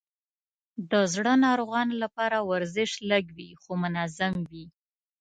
د زړه ناروغانو لپاره ورزش لږ وي، خو منظم وي.